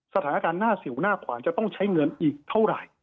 สถานการณ์หน้าสิวหน้าขวานจะต้องใช้เงินอีกเท่าไหร่